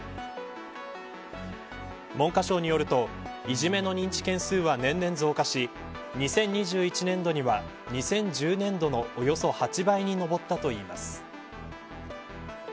文科省によるといじめの認知件数は年々増加し２０２１年度には２０１０年度のおよそ８倍に上ったといいます。